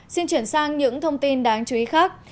xin chuyển sang những thông tin đáng chú ý khác